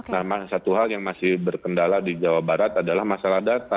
nah satu hal yang masih berkendala di jawa barat adalah masalah data